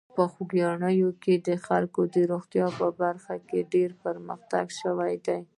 په خوږیاڼي کې د خلکو د روغتیا په برخه کې ډېر پرمختګ شوی دی.